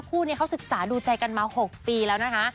คู่นี้เขาศึกษาดูใจกันมา๖ปีแล้วนะคะ